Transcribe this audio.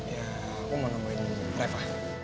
ya aku mau nemuin reva